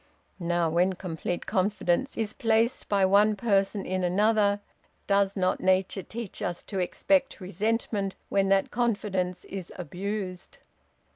Now, when complete confidence is placed by one person in another, does not Nature teach us to expect resentment when that confidence is abused?